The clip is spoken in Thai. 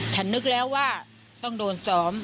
ฉันนึกแล้วว่าต้องโดนซ้อม